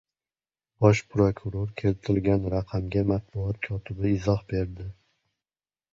Bosh prokuror keltirgan raqamga matbuot kotibi izoh berdi